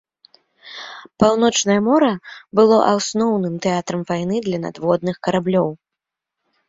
Паўночнае мора было асноўным тэатрам вайны для надводных караблёў.